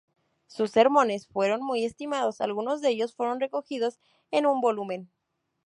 Sus sermones fueron muy estimados, algunos de ellos fueron recogidos en un volumen.